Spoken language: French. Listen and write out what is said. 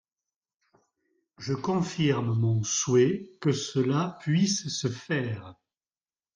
Je confirme mon souhait que cela puisse se faire.